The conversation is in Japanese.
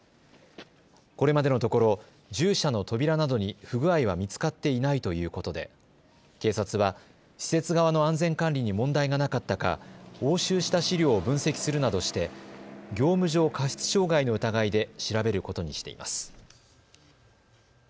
これまでのところ獣舎の扉などに不具合は見つかっていないということで警察は施設側の安全管理に問題がなかったか押収した資料を分析するなどして業務上過失傷害の疑いで調べることにしています。